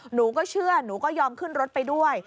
หนูก็เชื่อหนูก็ยอมขึ้นรถไปด้วย